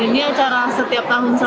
jadi acara setiap tahun selalu ada